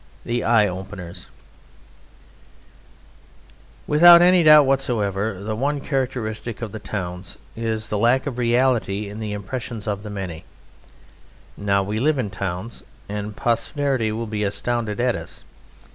The Eye Openers Without any doubt whatsoever, the one characteristic of the towns is the lack of reality in the impressions of the many: now we live in towns: and posterity will be astounded at us!